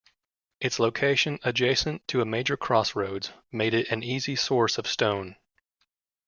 Its location adjacent to a major crossroads made it an easy source of stone.